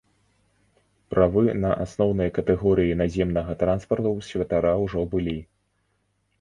Правы на асноўныя катэгорыі наземнага транспарту ў святара ўжо былі.